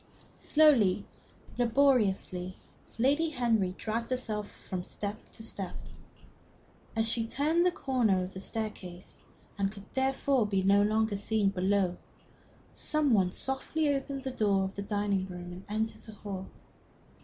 Slowly, laboriously, Lady Henry dragged herself from step to step. As she turned the corner of the staircase, and could therefore be no longer seen from below, some one softly opened the door of the dining room and entered the hall.